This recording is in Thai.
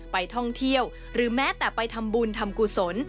ไปท่องเที่ยวหรือแม้แต่ไปทำบุญทำกุศล